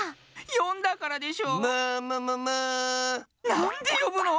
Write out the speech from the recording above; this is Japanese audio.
なんでよぶの！